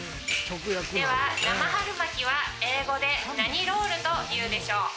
では生春巻きは英語で何ロールと言うでしょう？